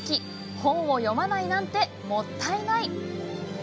本を読まないなんてもったいない。